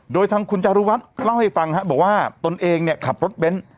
โดยทางคุณจารุวัฒน์เล่าให้ฟังครับบอกว่าตัวเองขับรถเป็น